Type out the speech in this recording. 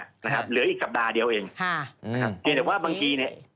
นะครับเหลืออีกสัปดาห์เดียวเองฮ่าอืมนะครับเพราะฉะนั้นว่าบางทีเนี้ย